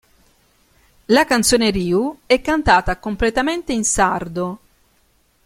La canzone "Riu" è cantata completamente in sardo.